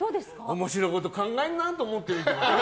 面白いこと考えるなと思って見ています。